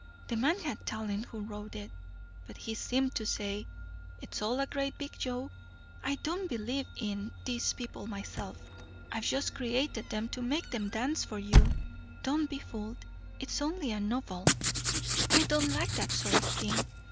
The man had talent who wrote it, but he seemed to say: 'It's all a great big joke. I don't believe in these people myself. I've just created them to make them dance for you. Don't be fooled it's only a novel.' I don't like that sort of thing.